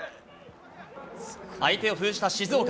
相手を封じた静岡。